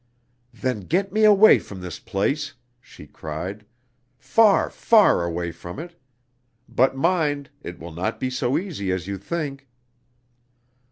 "Then get me away from this place," she cried, "far, far away from it. But, mind, it will not be so easy as you think."